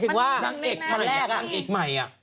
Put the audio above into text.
มีอังเอ็กซ์ใหม่